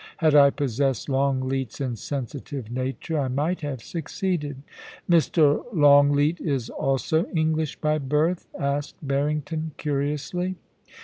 Had I possessed Longleat's insensitive nature I might have succeeded.' * Mr. Longleat is also English by birth ?* asked Barring ton, curiously.